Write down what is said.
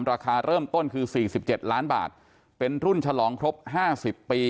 ราคาเริ่มต้นคือสี่สิบเจ็ดล้านบาทเป็นรุ่นฉลองครบห้าสิบปี